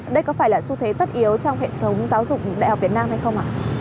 đây có phải là xu thế tất yếu trong hệ thống giáo dục đại học việt nam hay không ạ